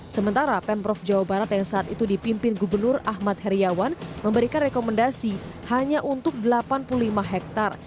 sementara pemprov jawa barat yang saat itu dipimpin gubernur ahmad heriawan memberikan rekomendasi hanya untuk delapan puluh lima hektare